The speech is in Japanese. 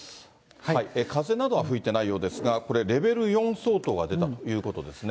風などは吹いてないようですが、これ、レベル４相当が出たということですね。